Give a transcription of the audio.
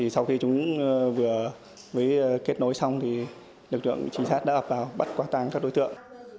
sau khi chúng vừa kết nối xong lực lượng trinh sát đã bắt quả tàng các đối tượng